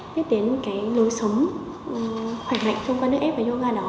biết đến cái lối sống khỏe mạnh thông qua nước ép với yoga đó